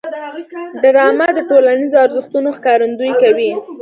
ډرامه د ټولنیزو ارزښتونو ښکارندويي کوي